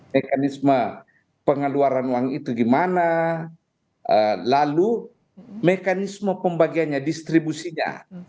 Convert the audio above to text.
mekanisme pengeluaran uang itu gimana lalu mekanisme pembagiannya distribusinya